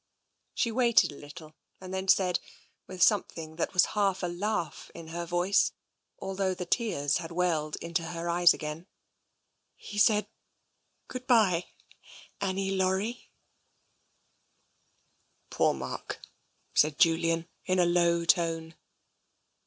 She waited a little and then said, with something that was half a laugh in her voice, although the tears had welled into her eyes again: " He said, * Good bye, Annie Laurie.' "" Poor Mark !" said Julian in a low tone.